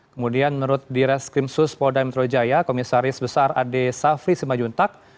kemudian menurut ditreskimsus polda metro jaya komisaris besar ad safri simajuntak